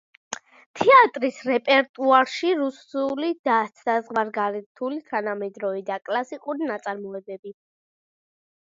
თეატრის რეპერტუარშია რუსული და საზღვარგარეთული თანამედროვე და კლასიკური ნაწარმოებები.